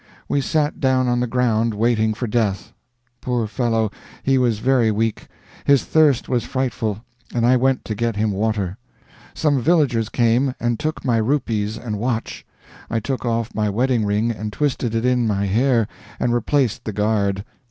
We sat down on the ground waiting for death. Poor fellow! he was very weak; his thirst was frightful, and I went to get him water. Some villagers came, and took my rupees and watch. I took off my wedding ring, and twisted it in my hair, and replaced the guard.